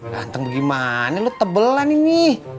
ganteng gimana lu tebelan ini